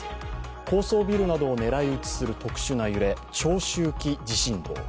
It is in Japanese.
高層ビルなどを狙い撃ちする特殊な揺れ、長周期地震動。